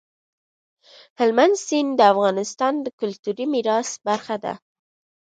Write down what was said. هلمند سیند د افغانستان د کلتوري میراث برخه ده.